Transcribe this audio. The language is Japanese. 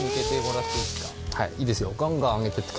はいいいですよ。